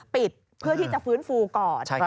เพื่อที่จะฟื้นฟูก่อน